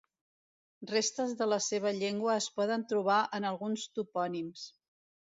Restes de la seva llengua es poden trobar en alguns topònims.